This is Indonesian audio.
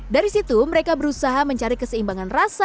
dari situ mereka berusaha mencari keseimbangan rasa